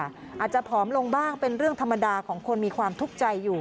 อาจจะผอมลงบ้างเป็นเรื่องธรรมดาของคนมีความทุกข์ใจอยู่